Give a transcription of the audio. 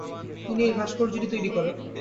তিনি এই ভাস্কর্যটি তৈরি করেন।